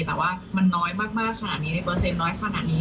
แต่ว่ามันน้อยมากขนาดนี้ในเปอร์เซ็นต์น้อยขนาดนี้